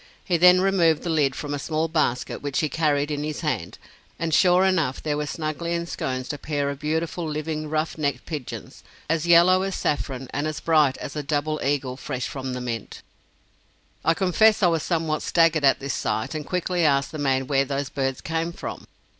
He then removed the lid from a small basket which he carried in his hand, and sure enough there were snugly ensconced a pair of beautiful living ruff necked pigeons, as yellow as saffron and as bright as a double eagle fresh from the mint. I confess I was somewhat staggered at this sight, and quickly asked the man where those birds came from.